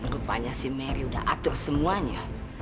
rupanya si mary udah atur semuanya